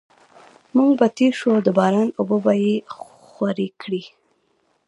موټر به تېر شو او د باران اوبه به یې خورې کړې